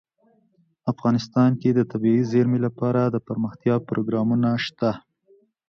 افغانستان کې د طبیعي زیرمې لپاره دپرمختیا پروګرامونه شته.